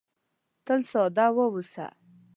تل ساده واوسه .